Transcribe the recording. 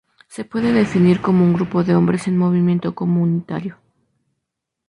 Se puede definir como un grupo de hombres en movimiento comunitario.